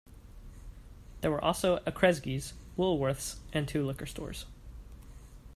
There were also a Kresge's, Woolworth's, and two liquor stores.